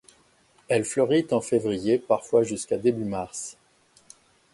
Elle fleurit en février, parfois jusqu'à début mars.